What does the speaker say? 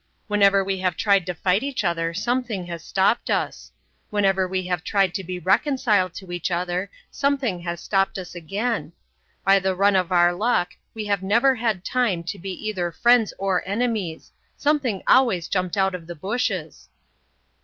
Whenever we have tried to fight each other something has stopped us. Whenever we have tried to be reconciled to each other, something has stopped us again. By the run of our luck we have never had time to be either friends or enemies. Something always jumped out of the bushes."